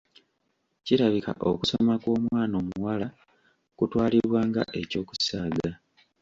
Kirabika okusoma kw'omwana omuwala kutwalibwa nga eky'okusaaga.